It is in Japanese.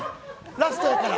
ラストやから。